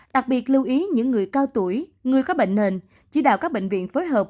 đặc biệt lưu ý những người cao tuổi người có bệnh nền chỉ đạo các bệnh viện phối hợp